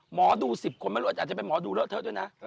หมอดู๑๐คนไม่รู้ว่าอาจจะเป็นหมอดูเลอะเทอะด้วยนะ